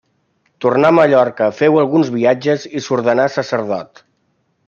Tornà a Mallorca, feu alguns viatges i s'ordenà sacerdot.